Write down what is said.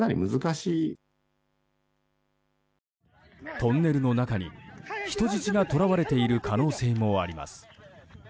トンネルの中に人質が捕らわれている可能性もあります。